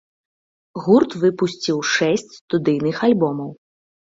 Гурт выпусціў шэсць студыйных альбомаў.